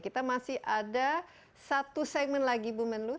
kita masih ada satu segmen lagi bu menlu